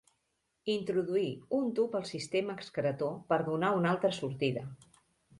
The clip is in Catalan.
Introduir un tub al sistema excretor per donar una altra sortida.